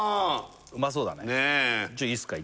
うまそうだねいいっすか？